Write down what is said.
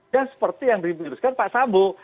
dan seperti yang dirumuskan pak sambo